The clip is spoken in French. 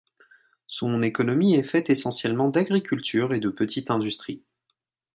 Son économie est faite essentiellement d'agriculture et de petite industrie.